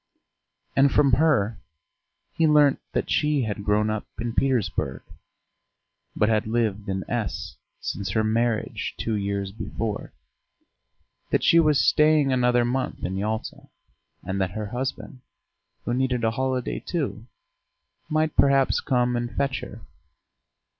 And from her he learnt that she had grown up in Petersburg, but had lived in S since her marriage two years before, that she was staying another month in Yalta, and that her husband, who needed a holiday too, might perhaps come and fetch her.